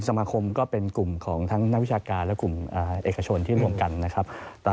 สมาคมก็เป็นกลุ่มของทั้งนักวิชาการและกลุ่มเอกชนที่รวมกันนะครับ